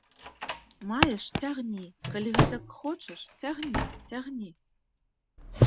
Маеш, цягні, калі гэтак хочаш, цягні, цягні.